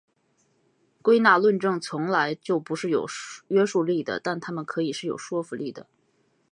归纳论证从来就不是有约束力的但它们可以是有说服力的。